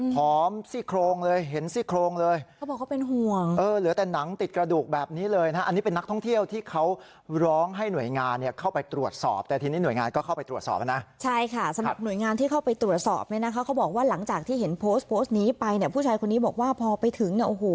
ซี่โครงเลยเห็นซี่โครงเลยเขาบอกเขาเป็นห่วงเออเหลือแต่หนังติดกระดูกแบบนี้เลยนะอันนี้เป็นนักท่องเที่ยวที่เขาร้องให้หน่วยงานเนี่ยเข้าไปตรวจสอบแต่ทีนี้หน่วยงานก็เข้าไปตรวจสอบนะใช่ค่ะสำหรับหน่วยงานที่เข้าไปตรวจสอบเนี่ยนะคะเขาบอกว่าหลังจากที่เห็นโพสต์โพสต์นี้ไปเนี่ยผู้ชายคนนี้บอกว่าพอไปถึงเนี่ยโอ้โห